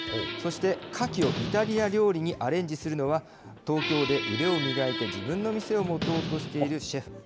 そして、カキをイタリア料理にアレンジするのは、東京で腕を磨いて、自分の店を持とうとしているシェフ。